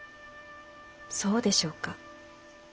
そうでしょうか？